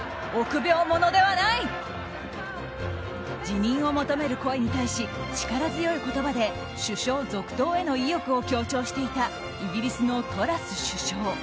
辞任を求める声に対し力強い言葉で首相続投への意欲を強調していたイギリスのトラス首相。